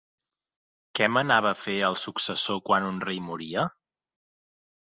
Què manava fer el successor quan un rei moria?